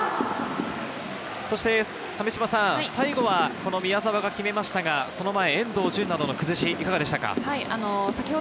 最後は宮澤が決めましたが、その前、遠藤純の崩し、いかがでしたか？